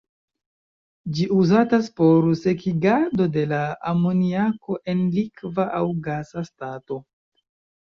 Ĝi uzatas por sekigado de la amoniako en likva aŭ gasa stato.